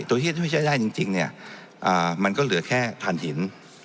ส่วนที่จะช่วยใช้ได้จริงจริงเนี่ยอ่ามันก็เหลือแค่ฐานถิ่น